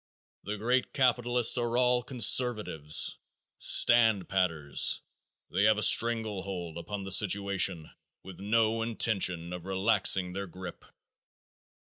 The great capitalists are all conservatives, "standpatters"; they have a strangle hold upon the situation with no intention of relaxing their grip.